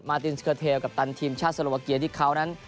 ตินสเกอร์เทลกัปตันทีมชาติสโลวาเกียที่เขานั้น